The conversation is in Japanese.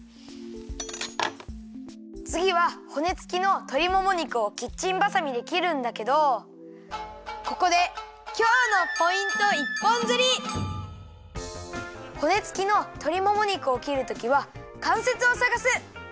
つぎは骨つきのとりもも肉をキッチンばさみできるんだけどここで骨つきのとりもも肉をきるときはかんせつをさがす！